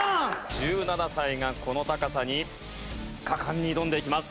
１７歳がこの高さに果敢に挑んでいきます。